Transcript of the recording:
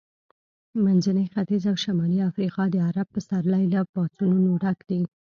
منځنی ختیځ او شمالي افریقا د عرب پسرلي له پاڅونونو ډک دي.